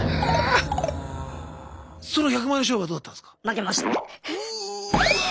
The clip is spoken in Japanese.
その１００万円の勝負はどうだったんすか？